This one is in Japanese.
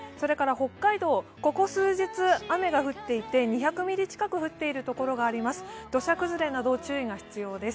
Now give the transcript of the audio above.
北海道、ここ数日、雨が降っていて２００ミリ近く降っているところがあります。